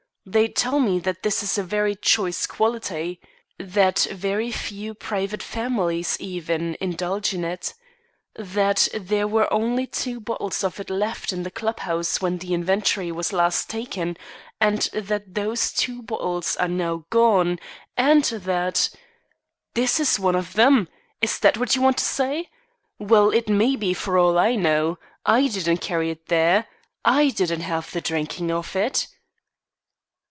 They tell me that this is of very choice quality. That very few private families, even, indulge in it. That there were only two bottles of it left in the club house when the inventory was last taken, that those two bottles are now gone, and that " "This is one of them? Is that what you want to say? Well, it may be for all I know. I didn't carry it there. I didn't have the drinking of it."